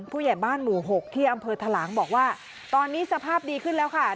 ผู้ใหญ่บ้านหมู่๖ที่อำเภอทะลางบอกว่าตอนนี้สภาพดีขึ้นแล้วค่ะ